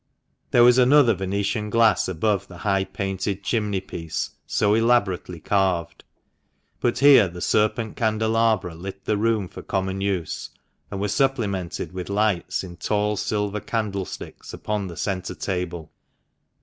There was another Venetian glass above the high, painted chimney piece, so elaborately carved, but here the serpent candelabra lit the room for common use, and were supplemented with lights in tall silver candlesticks upon the centre table.